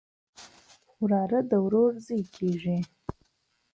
وراره د ورور زوی